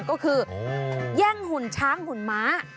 ก็คือแย่งหุ่นช้างหุ่นม้า